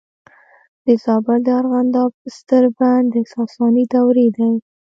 د زابل د ارغنداب ستر بند د ساساني دورې دی